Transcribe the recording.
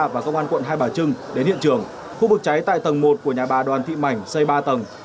và công an quận hai bà trưng đến hiện trường khu vực cháy tại tầng một của nhà bà đoàn thị mảnh xây ba tầng